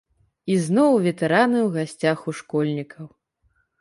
І зноў ветэраны ў гасцях у школьнікаў.